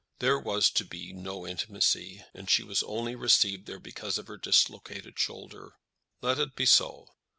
There was to be no intimacy, and she was only received there because of her dislocated shoulder. Let it be so.